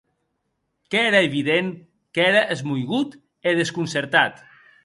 Qu’ère evident qu’ère esmoigut e desconcertat.